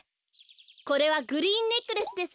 これはグリーンネックレスですよ。